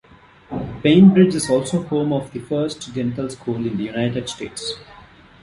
Bainbridge is also home of the first dental school in the United States.